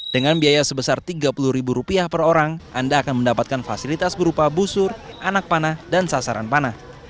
dengan biaya sebesar tiga puluh ribu rupiah per orang anda akan mendapatkan fasilitas berupa busur anak panah dan sasaran panah